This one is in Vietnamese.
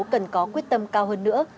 cần có quyết tâm cao hơn nữa